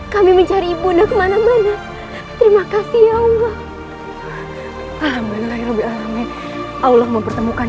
kami mencari bunda kemana mana terima kasih allah alhamdulillahirobbilalamin allah mempertemukan